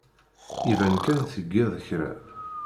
Iban kan tgid kra.